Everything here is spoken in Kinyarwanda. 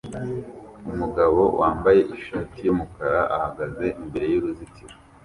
Umugabo wambaye ishati yumukara ahagaze imbere yuruzitiro